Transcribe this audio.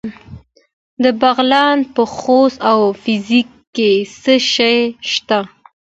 د بغلان په خوست او فرنګ کې څه شی شته؟